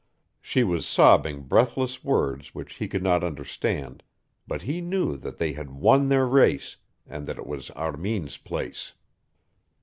She was sobbing breathless words which he could not understand, but he knew that they had won their race, and that it was Armin's place.